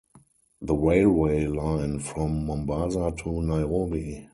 The railway line from Mombasa to Nairobi.